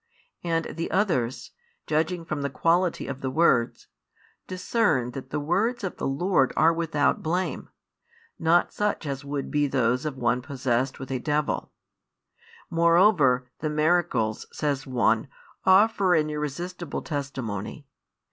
And the others, judging from the quality of the words, discern that the words of the Lord are without blame, not such as would be those of one possessed with a devil: moreover, the miracles, says one, offer an irresistible testimony.